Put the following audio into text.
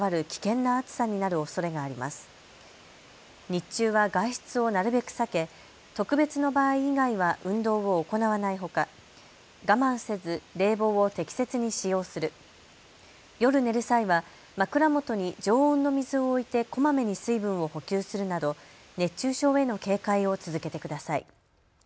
日中は外出をなるべく避け特別の場合以外は運動を行わないほか我慢せず冷房を適切に使用する、夜寝る際は枕元に常温の水を置いてこまめに水分を補給するなど熱中症への警戒を続けてください。